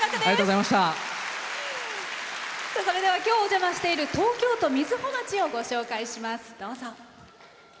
それでは今日、お邪魔している東京都瑞穂町をご紹介します。